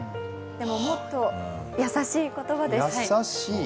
でももっと優しい言葉です。